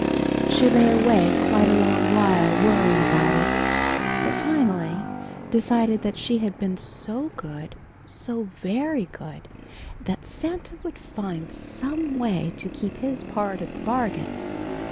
She lay awake quite a long while, worrying about it, but finally decided that she had been so good, so very good, that Santa would find some way to keep his part of the bargain.